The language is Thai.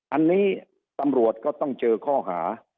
อันนี้ตำรวจก็ต้องเจอข้อหา